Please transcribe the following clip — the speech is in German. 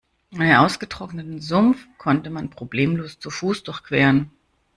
Den ausgetrockneten Sumpf konnte man problemlos zu Fuß durchqueren.